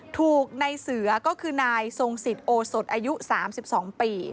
ถูกในเสือก็คือนายทรงสิทธิโอสดอายุ๓๒ปี